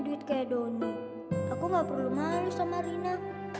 duit kayak doni aku gak perlu malu sama rina